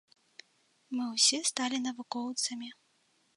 Мы ўсе сталі навукоўцамі.